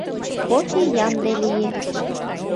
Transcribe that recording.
Кофе ямде лие.